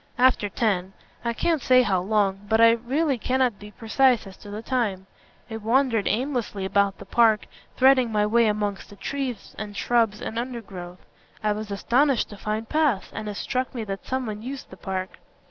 "After ten. I can't say how long. But I really cannot be precise as to the time. I wandered aimlessly about the park, threading my way amongst the trees and shrubs and undergrowth. I was astonished to find paths, and it struck me that someone used the park."